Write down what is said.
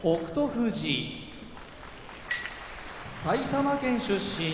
富士埼玉県出身